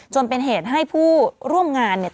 จนเป็นเหตุให้ผู้ร่วมงานเนี่ย